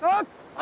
あ！